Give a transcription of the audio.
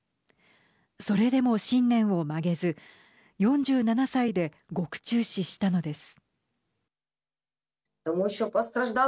それでも信念を曲げず４７歳で獄中死したのです。